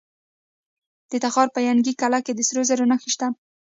د تخار په ینګي قلعه کې د سرو زرو نښې شته.